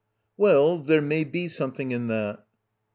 Well, there may be something in that.